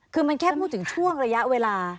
คือมันแค่พูดถึงช่วงระยะเวลา